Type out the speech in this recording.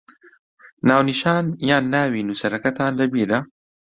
ناونیشان یان ناوی نووسەرەکەتان لەبیرە؟